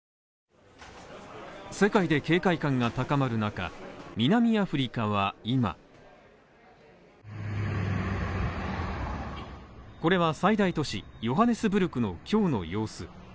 世界で警戒感が高まる中、南アフリカは、今これは最大都市ヨハネスブルクの今日の様子。